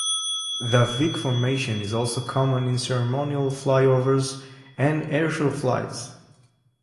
The Vic formation is also common in ceremonial flyovers and airshow flights.